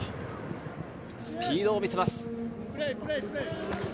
スピードを見せます。